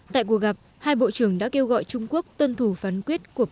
tại cuộc gặp hai bộ trưởng đã kêu gọi trung quốc tuân thủ phán quyết của